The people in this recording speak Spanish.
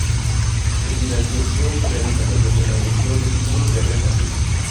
Su financiación se realiza mediante la emisión de títulos de renta fija.